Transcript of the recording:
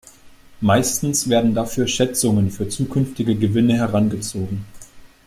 Meistens werden dafür Schätzungen für zukünftige Gewinne herangezogen.